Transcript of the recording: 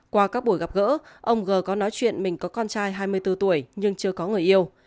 qua các buổi gặp gỡ ông g có nói chuyện mình có con trai hai mươi bốn tuổi nhưng chưa có người yêu